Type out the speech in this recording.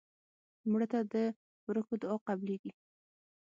مړه ته د ورکو دعا قبلیږي